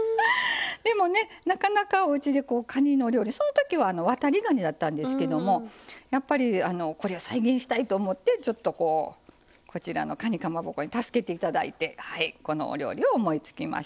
でもねなかなかおうちでかにのお料理そのときはわたりがにだったんですけどもこれを再現したいと思ってこちらのかにかまぼこに助けていただいてこのお料理を思いつきましたよ。